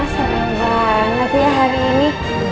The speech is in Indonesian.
selamat hari ini